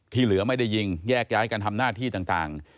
เหลือไม่ได้ยิงแยกย้ายกันทำหน้าที่ต่าง